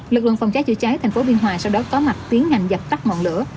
lực lượng phòng cháy chữa cháy thành phố biên hòa sau đó có mặt tiến hành dập tắt ngọn lửa